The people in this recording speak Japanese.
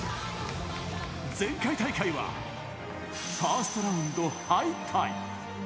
前回大会は、ファーストラウンド敗退。